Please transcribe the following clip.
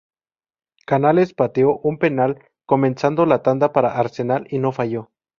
Canales pateó un penal comenzando la tanda para Arsenal y no falló.